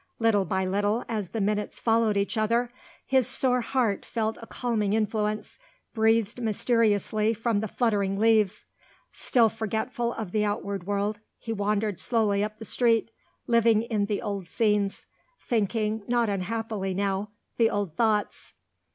Little by little, as the minutes followed each other, his sore heart felt a calming influence, breathed mysteriously from the fluttering leaves. Still forgetful of the outward world, he wandered slowly up the street; living in the old scenes; thinking, not unhappily now, the old thoughts.